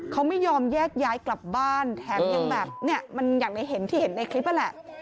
เขาไม่ยอมแยกย้ายกลับบ้านแถมยังแบบเนี่ยมันอย่างในเห็นที่เห็นในคลิปนั่นแหละ